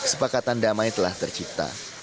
sepakatan damai telah tercipta